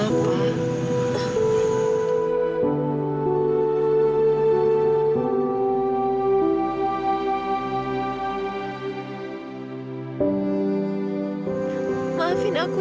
sampai kapan andre melamar dewi